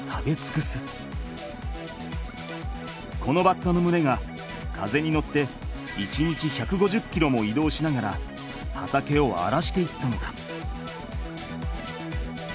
このバッタのむれが風に乗って１日１５０キロも移動しながら畑をあらしていったのだ。